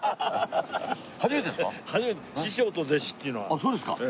あっそうですか。